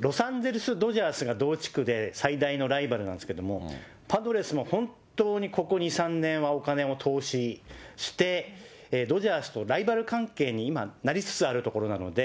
ロサンゼルス・ドジャースが同地区で最大のライバルなんですけれども、パドレスも本当にここ２、３年はお金を投資して、ドジャースとライバル関係に今、なりつつあるところなので。